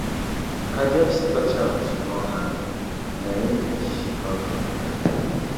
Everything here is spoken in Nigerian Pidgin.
I just touch am small hand na im she com dey cry.